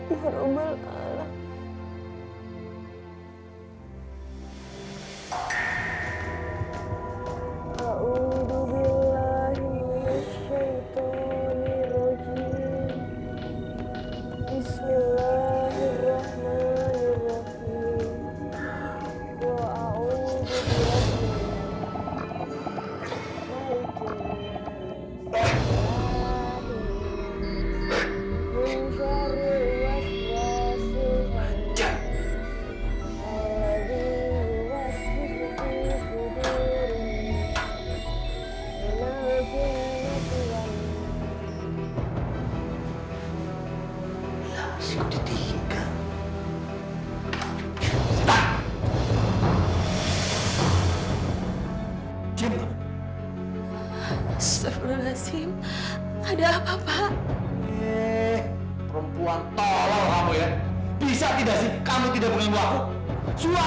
ini semua ada gunanya buatmu